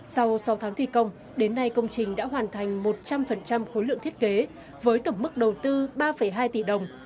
sau sáu tháng thi công đến nay công trình đã hoàn thành một trăm linh khối lượng thiết kế với tổng mức đầu tư ba hai tỷ đồng